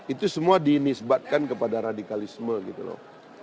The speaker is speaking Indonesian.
itu semua dinisbatkan kepada radikalisme gitu loh